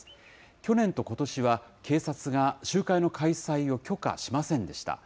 去年とことしは警察が集会の開催を許可しませんでした。